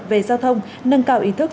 về giao thông nâng cao ý thức